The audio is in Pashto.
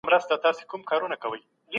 همکاري د ټولني قوت دی.